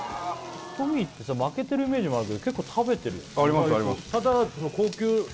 トミーってさ負けてるイメージもあるけど結構食べてるよありますあります